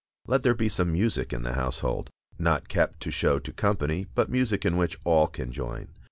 Let there be some music in the household, not kept to show to company, but music in which all can join.